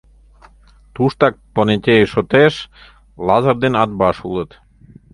Туштак понетей шотеш Лазыр ден Атбаш улыт.